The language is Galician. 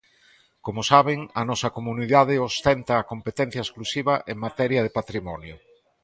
Como saben, a nosa comunidade ostenta a competencia exclusiva en materia de patrimonio.